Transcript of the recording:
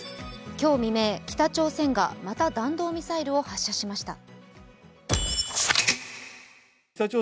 今日未明、北朝鮮がまた弾道ミサイルを発射しました。